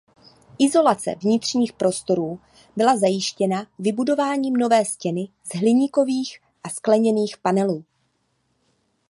Izolace vnitřních prostorů byla zajištěna vybudováním nové stěny z hliníkových a skleněných panelů.